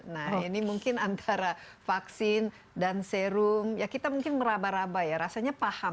nah ini mungkin antara vaksin dan serum ya kita mungkin meraba raba ya rasanya paham